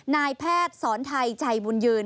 นายแพทย์สอนไทยใจบุญยืน